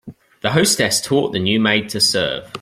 The hostess taught the new maid to serve.